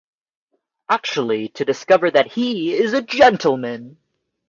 Actually to discover that he is a gentleman!